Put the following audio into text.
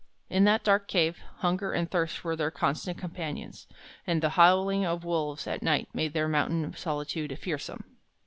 In that dark cave, hunger and thirst were their constant companions, and the howling of wolves at night made their mountain solitude fearsome.